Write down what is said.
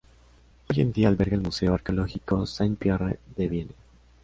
Hoy en día alberga el Museo arqueológico Saint-Pierre de Vienne.